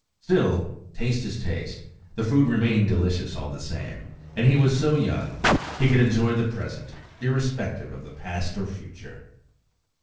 Still taste is taste; the food remained delicious all the same, and he was so young, he could enjoy the present, irrespective of the past or future.